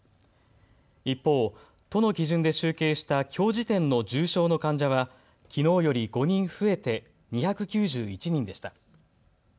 一方、都の基準で集計したきょう時点の重症の患者はきのうより５人増えて２９１人でした。